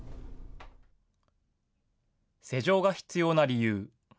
施錠が必要な理由。